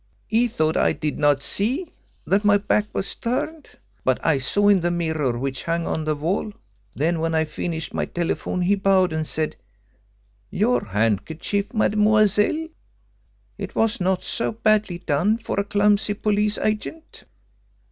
He thought I did not see that my back was turned but I saw in the mirror which hung on the wall. Then, when I finished my telephone, he bowed and said, 'Your handkerchief, mademoiselle.' It was not so badly done for a clumsy police agent."